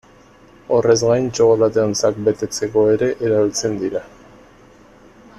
Horrez gain, txokolate-ontzak betetzeko ere erabiltzen dira.